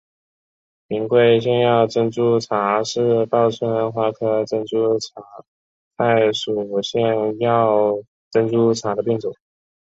云贵腺药珍珠菜是报春花科珍珠菜属腺药珍珠菜的变种。